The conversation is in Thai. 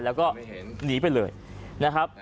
แล้วก็หนีไปเลยนะครับ